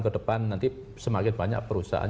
kedepan nanti semakin banyak perusahaan